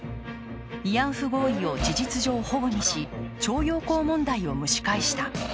慰安婦合意を事実上ほごにし、徴用工問題を蒸し返した。